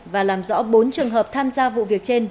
và làm rõ bốn trường hợp tham gia vụ việc trên